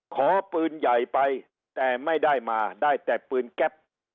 ขอปืนใหญ่ไปแต่ไม่ได้มาได้แต่ปืนแก๊ป